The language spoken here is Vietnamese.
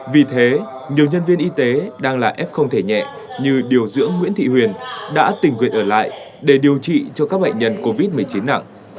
vì thế nhiều nhân viên y tế đang là f không thể nhẹ như điều dưỡng nguyễn thị huyền đã tình nguyện ở lại để điều trị cho các bệnh nhân covid một mươi chín nặng